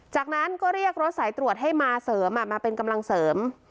จากนั้นก็เรียกรถสายตรวจให้มาเสริมมาเป็นกำลังเสริม